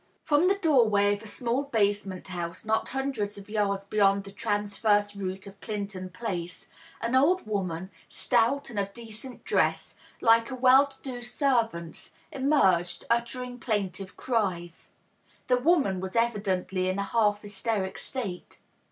From the door way of a small basement house not hundreds of yards beyond the transverse route of Clinton Place, an old woman, stout and of decent dress like a well to do servant's, emerged, uttering plaintive cries. The woman was evidently in a half hysteric state.